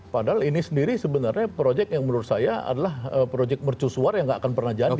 padahal ini sendiri sebenarnya proyek yang menurut saya adalah proyek mercusuar yang nggak akan pernah jadi